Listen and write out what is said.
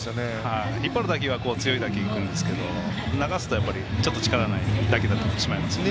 引っ張る打球は強い打球がいくんですけど流すと力ない打球になってしまいますね。